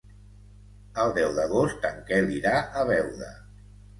El deu d'agost en Quel irà a Beuda.